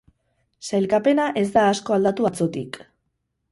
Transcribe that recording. Sailkapena ez da asko aldatu atzotik.